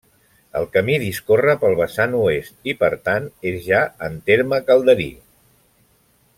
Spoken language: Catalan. El camí discorre pel vessant oest i, per tant, és ja en terme calderí.